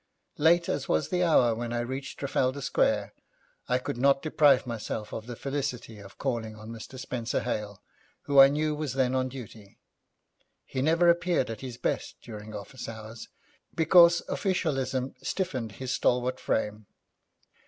Late as was the hour when I reached Trafalgar Square, I could not deprive myself of the felicity of calling on Mr. Spenser Hale, who I knew was then on duty. He never appeared at his best during office hours, because officialism stiffened his stalwart frame.